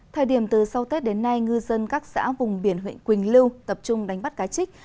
thời điểm từ sau tết đến nay ngư dân các xã vùng biển huyện quỳnh lưu tập trung đánh bắt cá chích